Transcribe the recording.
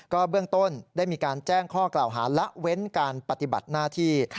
เบื้องต้นได้มีการแจ้งข้อกล่าวหาละเว้นการปฏิบัติหน้าที่